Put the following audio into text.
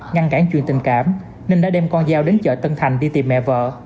ngăn cản chuyện tình cảm nên đã đem con giao đến chợ tân thành đi tìm mẹ vợ